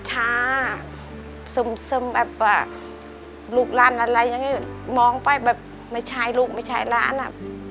สมมาแบบลูกล้านอะไรมองไปแบบไม่ใช่ลูกไม่ใช่ล้านอะ